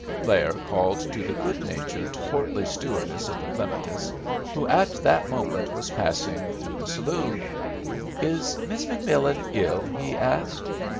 Blair called to the good natured, portly stewardess of the Climatus, who at that moment was passing through the saloon. "Is Miss McMillan ill?" he asked.